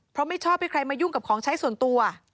เพราะไม่ชอบให้ใครมายุ่งกับของใช้ส่วนตัว